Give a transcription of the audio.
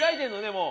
もう。